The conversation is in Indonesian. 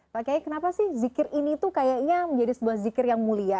pak kiai kenapa sih zikir ini tuh kayaknya menjadi sebuah zikir yang mulia